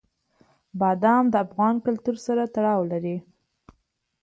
بادام د افغان کلتور سره تړاو لري.